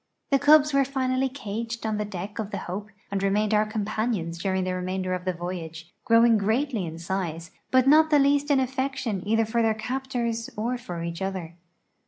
The cubs were finally caged on the deck of the Hope and remained our companions during the remainder of the voyage, growing greatly in size but not the least in affection either for their captors or for each other.